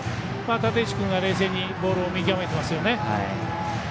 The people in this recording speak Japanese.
立石君が冷静にボールを見極めていますよね。